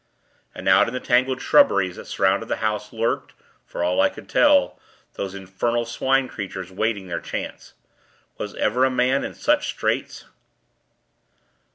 And out in the tangled shrubberies that surrounded the house, lurked for all I could tell those infernal Swine creatures waiting their chance. Was ever a man in such straits?